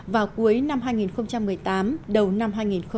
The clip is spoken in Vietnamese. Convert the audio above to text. đã được kế hoạch vào cuối năm hai nghìn một mươi tám đầu năm hai nghìn một mươi chín